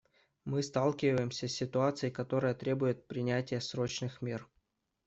Мы сталкиваемся с ситуацией, которая требует принятия срочных мер.